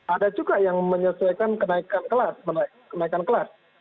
ada juga yang menyesuaikan kenaikan kelas